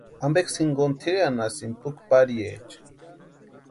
¿Ampeksï jinkoni tʼireranhasïni puki pariecha?